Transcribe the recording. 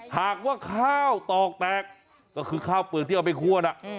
หากว่าข้าวตอกแตกก็คือข้าวเปลือกที่เอาไปควร